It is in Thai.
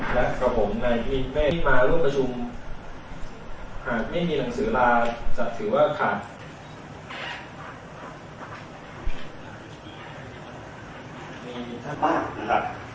และกับผมในที่ไม่มาร่วมประชุมหากไม่มีหนังสือลาจับถือว่าขาด